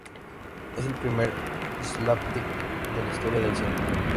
Es el primer slapstick de la historia del cine.